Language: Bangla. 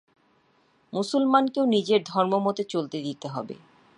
মুসলমানকেও নিজের ধর্মমতে চলতে দিতে হবে।